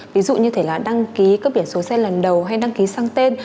ví dụ như thế là đăng ký các biển số xe lần đầu hay đăng ký sang tên